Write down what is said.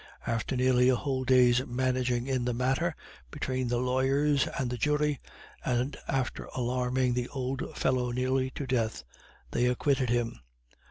After nearly a whole day's managing in the matter, between the lawyers and the jury, and after alarming the old fellow nearly to death, they acquitted him.